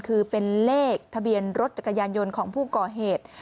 คือเป็นเลขทะเบียนรถจักรยานยนต์ของผู้ก่อเหตุ